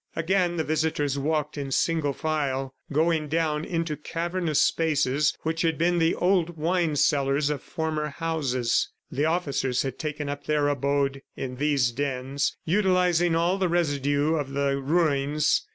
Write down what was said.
Again the visitors walked in single file, going down into cavernous spaces that had been the old wine cellars of former houses. The officers had taken up their abode in these dens, utilizing all the residue of the ruins.